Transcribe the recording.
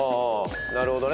なるほどね。